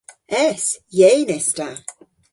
Es! Yeyn es ta.